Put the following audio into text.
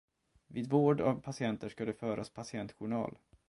Vid vård av patienter ska det föras patientjournal.